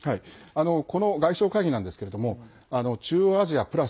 この外相会議なんですけれども中央アジアプラス